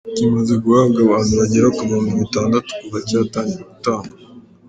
Kimaze guhabwa abantu bagera ku bihumbi bitandatu kuva cyatangira gutangwa.